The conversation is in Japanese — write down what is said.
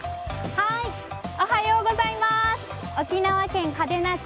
沖縄県嘉手納町